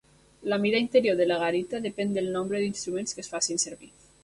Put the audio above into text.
La mida interior de la garita depèn del nombre d'instruments que es facin servir.